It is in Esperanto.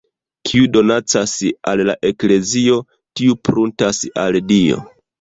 Kiu donacas al la Eklezio, tiu pruntas al Dio.